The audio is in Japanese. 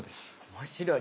面白い。